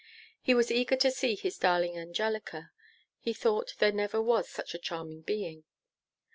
He was eager to see his darling Angelica. He thought there never was such a charming being.